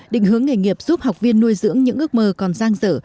định hướng nghề nghiệp giúp học viên nuôi dưỡng những ước mơ còn giang dở